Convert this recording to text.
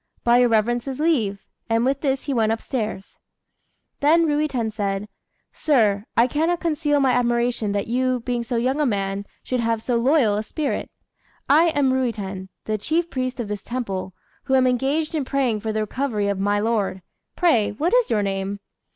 "By your reverence's leave;" and with this he went upstairs. Then Ruiten said "Sir, I cannot conceal my admiration that you, being so young a man, should have so loyal a spirit. I am Ruiten, the chief priest of this temple, who am engaged in praying for the recovery of my lord. Pray what is your name?"